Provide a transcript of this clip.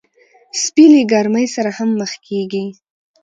سپي له ګرمۍ سره هم مخ کېږي.